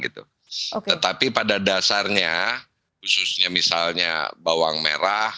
tetapi pada dasarnya khususnya misalnya bawang merah